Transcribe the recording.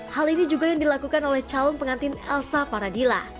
hal ini juga yang dilakukan oleh calon pengantin elsa paradila